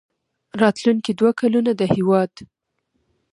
راتلونکي دوه کلونه د هېواد